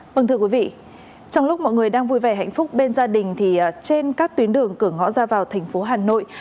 vâng thưa quý vị trong lúc mọi người đang vui vẻ hạnh phúc bên gia đình thì trên các tuyến đường cửa ngõ ra vào thành phố hà nội